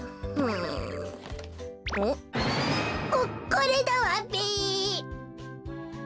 ここれだわべ！